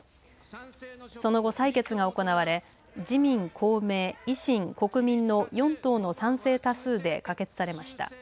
その後、採決が行われ自民、公明、維新、国民の４党の賛成多数で可決されました。